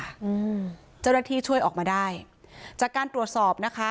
อืมเจ้าหน้าที่ช่วยออกมาได้จากการตรวจสอบนะคะ